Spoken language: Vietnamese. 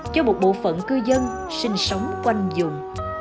cụ phận cư dân sinh sống quanh vùng